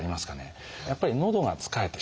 やっぱりのどがつかえてしまう。